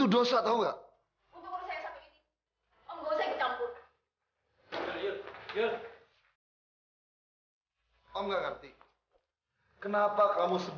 dia gak bertanggung jawab